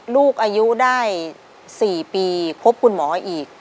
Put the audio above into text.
ลูกอายุได้๔ปีพบคุณหมออีก